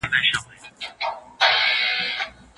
استازي په غونډه کي چیرته کښیني؟